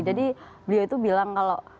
jadi beliau itu bilang kalau